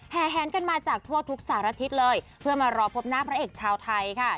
แหนกันมาจากทั่วทุกสารทิศเลยเพื่อมารอพบหน้าพระเอกชาวไทยค่ะ